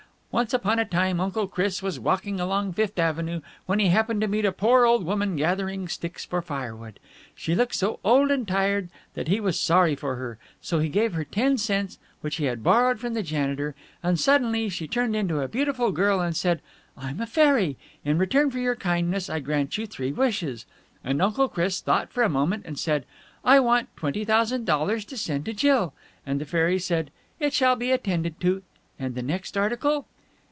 Once upon a time Uncle Chris was walking along Fifth Avenue, when he happened to meet a poor old woman gathering sticks for firewood. She looked so old and tired that he was sorry for her, so he gave her ten cents which he had borrowed from the janitor, and suddenly she turned into a beautiful girl and said 'I am a fairy! In return for your kindness I grant you three wishes!' And Uncle Chris thought for a moment, and said, 'I want twenty thousand dollars to send to Jill!' And the fairy said, 'It shall be attended to. And the next article?'"